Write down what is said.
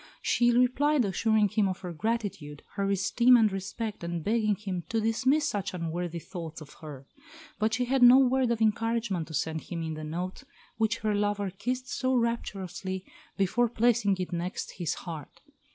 She replied, assuring him of her gratitude, her esteem and respect, and begging him to dismiss such unworthy thoughts of her. But she had no word of encouragement to send him in the note which her lover kissed so rapturously before placing it next his heart.